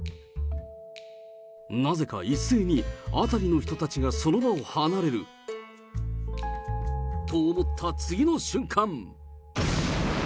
なぜか一斉に辺りの人たちがその場を離れる。と思った次の瞬間。